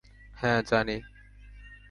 হ্যাঁ, জানি।